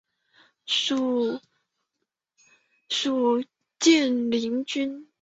属晋陵郡。